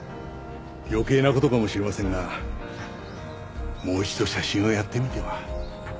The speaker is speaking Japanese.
余計な事かもしれませんがもう一度写真をやってみては？